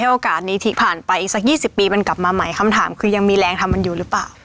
โอกาสนี้ที่ผ่านไปอีกสัก๒๐ปีมันกลับมาใหม่คำถามคือยังมีแรงทำมันอยู่หรือเปล่า